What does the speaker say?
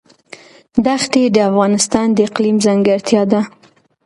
دښتې د افغانستان د اقلیم ځانګړتیا ده.